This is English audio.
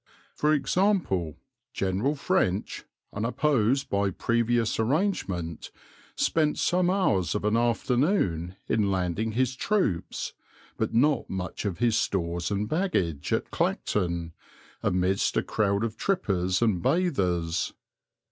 For example, General French, unopposed by previous arrangement, spent some hours of an afternoon in landing his troops, but not much of his stores and baggage, at Clacton, amidst a crowd of trippers and bathers.